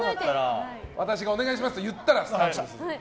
私がお願いしますと言ったらスタートします。